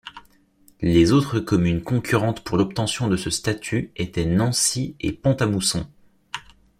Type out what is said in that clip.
Les autres communes concurrentes pour l'obtention de ce statut étaient Nancy et Pont-à-Mousson.